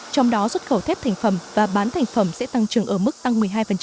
trong đó xuất khẩu thép thành phẩm và bán thành phẩm sẽ tăng trưởng ở mức tăng một mươi hai